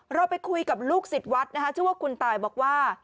เราไปคุยกับลูกศิษย์วัดนะคะชื่อว่าคุณตายบอกว่า